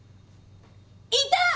いた！